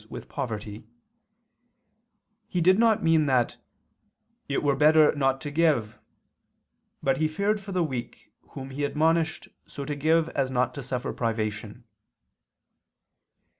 with poverty)," he did not mean that "it were better not to give: but he feared for the weak, whom he admonished so to give as not to suffer privation."